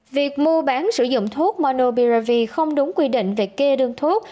việc mua bán sử dụng thuốc monopiravir không đúng quy định về kê đơn thuốc